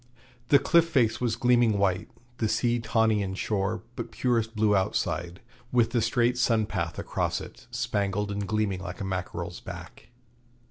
The cliff face was gleaming white, the sea tawny inshore, but purest blue outside, with the straight sunpath across it, spangled and gleaming like a mackerel's back.